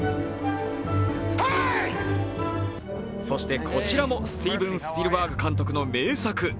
そして、こちらもスティーブン・スピルバーグ監督の名作。